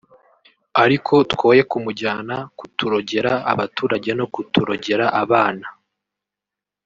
ariko twoye kumujyana kuturogera abaturage no kuturogera abana